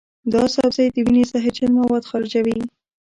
دا سبزی د وینې زهرجن مواد خارجوي.